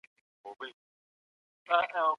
لږ لږ يې خورئ.